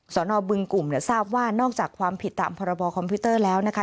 สนบึงกลุ่มเนี่ยทราบว่านอกจากความผิดตามพรบคอมพิวเตอร์แล้วนะคะ